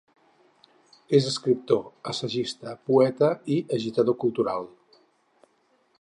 És escriptor, assagista, poeta i agitador cultural.